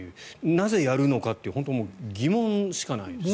なぜやるのかという疑問しかないですね。